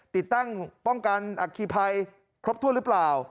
ติดตั้งป้องกันอัคคีภัยครบถ้วนหรือเปล่า